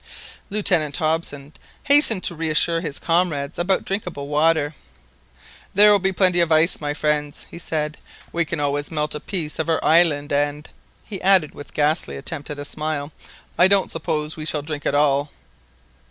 Lieutenant Hobson hastened to reassure his comrades about drinkable water. "There will be plenty of ice, my friends," he said. "We can always melt a piece of our island, and," he added, with a ghastly attempt at a smile, "I don't suppose we shall drink it all."